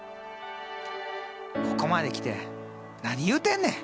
ここまで来て何言うてんねん！